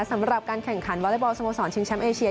สำหรับการแข่งขันวอเล็กบอลสโมสรชิงแชมป์เอเชีย